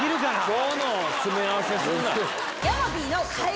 今日の詰め合わせすんな。